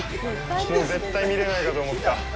もう絶対、見れないかと思った。